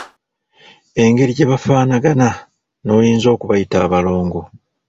Engeri gye bafaanagana n'oyinza okubayita abalongo..